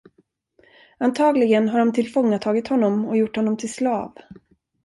Antagligen har de tillfångatagit honom och gjort honom till slav.